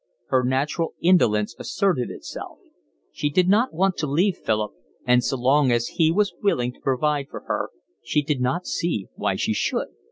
Her natural indolence asserted itself. She did not want to leave Philip, and so long as he was willing to provide for her, she did not see why she should.